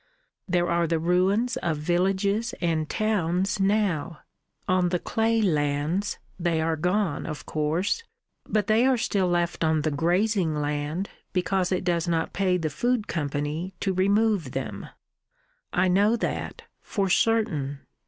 "There are the ruins of villages and towns now. On the clay lands they are gone, of course. But they are still left on the grazing land, because it does not pay the Food Company to remove them. I know that for certain.